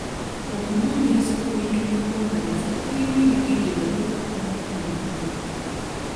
Okunoonyereza ku bintu by'eggwanga lyange kulina ebigendererwa by'okukuuma olulimi Oluganda.